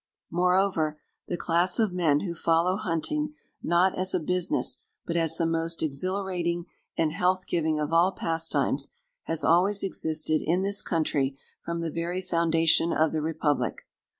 Moreover, the class of men who follow hunting not as a business, but as the most exhilarating and health giving of all pastimes, has always existed in this country from the very foundation of the republic.